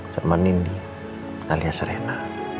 sama nindi alias rena